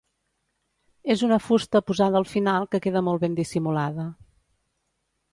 És una fusta posada al final que queda molt ben dissimulada.